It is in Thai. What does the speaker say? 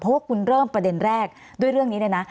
เพราะว่าคุณเริ่มประเด็นแรกด้วยเรื่องนี้เลยนะ